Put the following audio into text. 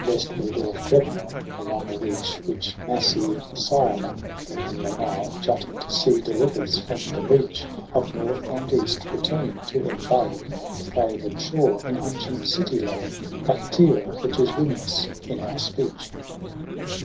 Westward of Drepanon, along a reach Which massy Cyamum for many a mile Jutting to sea delivers from the breach Of North and East, — returning to embay The favour'd shore — an ancient city lay, Aptera, which is Wingless in our speech.